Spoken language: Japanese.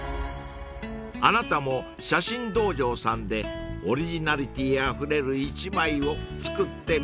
［あなたも写真道場さんでオリジナリティーあふれる１枚を作ってみては？］